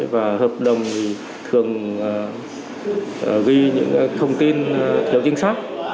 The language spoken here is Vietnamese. và hợp đồng thì thường ghi những thông tin thiếu chính xác